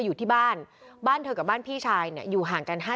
อยู่ที่บ้านบ้านเธอกับบ้านพี่ชายเนี่ยอยู่ห่างกัน๕๐